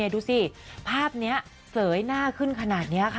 ดูสิภาพนี้เสยหน้าขึ้นขนาดนี้ค่ะ